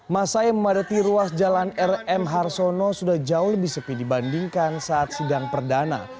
masa yang memadati ruas jalan rm harsono sudah jauh lebih sepi dibandingkan saat sidang perdana